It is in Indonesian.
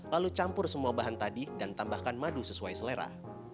lalu campur semua bahan tadi dan tambahkan madu sesuai selera